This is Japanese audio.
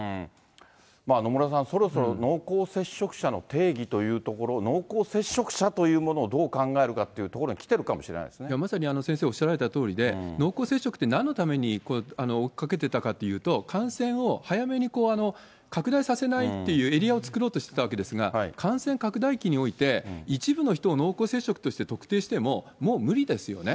野村さん、そろそろ濃厚接触者の定義というところ、濃厚接触者というものをどう考えるかっていうところに来てるかもまさに先生、おっしゃられたとおりで、濃厚接触ってなんのために追っかけてたかっていうと、感染を早めに、拡大させないっていうエリアを作ろうとしてたわけですが、感染拡大期において、一部の人を濃厚接触として特定しても、もう無理ですよね。